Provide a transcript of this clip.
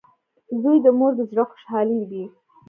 • زوی د مور د زړۀ خوشحالي وي.